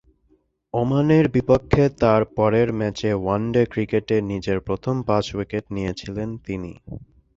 ওমানের বিপক্ষে তার পরের ম্যাচে ওয়ানডে ক্রিকেটে নিজের প্রথম পাঁচ উইকেট নিয়েছিলেন তিনি।